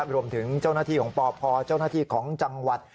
รวมถึงเจ้าหน้าที่ของปพเจ้าหน้าที่ของจังหวัด